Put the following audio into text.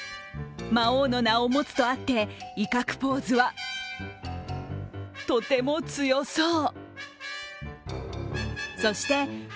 魔王の名前を持つとあって威嚇ポーズは、とても強そう。